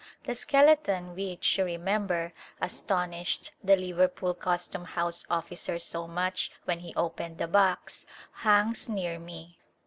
The skeleton which, you remember, astonished the Liver pool custom house officer so much when he opened the box, hangs near me.